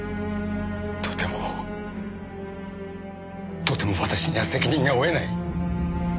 とてもとても私には責任が負えない。